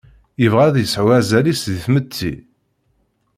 Yebɣa ad yesɛu azal-is deg tmetti.